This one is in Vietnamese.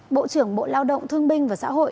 bộ trưởng bộ lao động thương binh và xã hội